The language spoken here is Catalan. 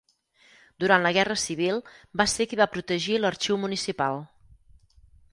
Durant la Guerra Civil va ser qui va protegir l'arxiu municipal.